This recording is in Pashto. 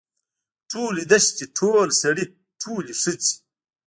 ټولې دښتې ټول سړي ټولې ښځې.